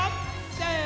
せの。